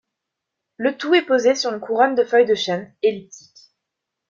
Le tout est posé sur une couronne de feuilles de chêne elliptique.